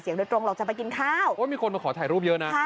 โดยตรงหรอกจะไปกินข้าวโอ้ยมีคนมาขอถ่ายรูปเยอะนะ